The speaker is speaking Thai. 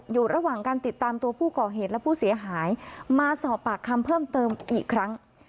อยู่ระหว่างการติดตามตัวผู้ก่อเหตุและผู้เสียหายมาสอบปากคำเพิ่มเติมอีกครั้ง